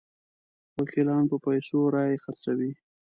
وکیلان په پیسو رایې خرڅوي.